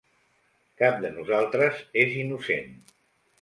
Cap de nosaltres és innocent.